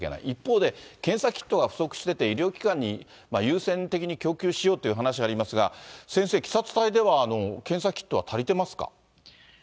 一方で、検査キットが不足してて、医療機関に優先的に供給しようという話がありますが、先生、キサ２隊では、検査キットは足りてますか？